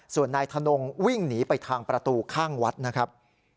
ส่วนนายธนงวิ่งหนีไปทางประตูข้างวัดนะครับ